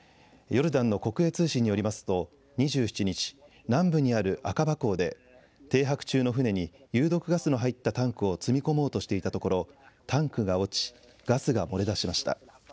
ヨルダンの国営通信によりますと、２７日、南部にあるアカバ港で、停泊中の船に有毒ガスの入ったタンクを積み込もうとしていたところ、タンクが落ち、ガスが漏れ出しました。